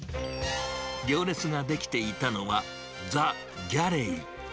行列が出来ていたのは、ザ・ギャレイ。